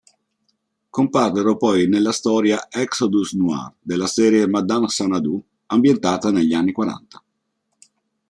Comparvero poi nella storia "Exodus Noir" della serie "Madame Xanadu", ambientata negli anni quaranta.